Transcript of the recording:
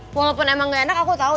walaupun emang gak enak aku tahu